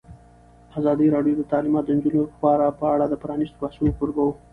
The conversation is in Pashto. ازادي راډیو د تعلیمات د نجونو لپاره په اړه د پرانیستو بحثونو کوربه وه.